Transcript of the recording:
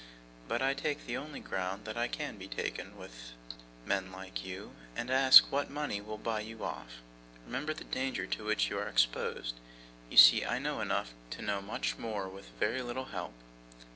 But, I take the only ground that can be taken with men like you, and ask what money will buy you off. Remember the danger to which you are exposed. You see I know enough to know much more with very little help.